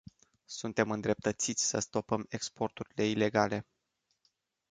Suntem îndreptățiți să stopăm exporturile ilegale.